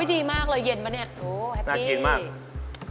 โอ้ยดีมากเลยเย็นปะเนี่ยโอ้โหแฮปปี้น่ากินมาก